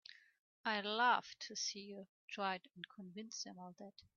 I'd love to see you try and convince them of that!